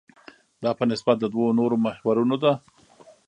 دا په نسبت د دوو نورو محورونو ده.